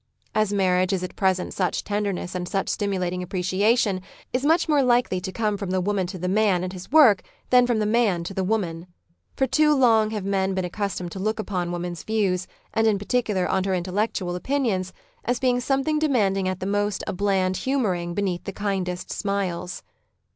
As marriage is at present such tenderness and such stimulating appreciation is much more likely to come from the woman to the man and his work than from the man to the woman. For too long have men been accustomed to look upon woman's views, and in par ticular oa her intellectual opinions,, as being something 96 Married Love demanding at the most a bland humouring beneath the kindest smiles.